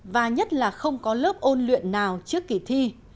và nhất là không có lớp ôn luyện nào trước kỳ thi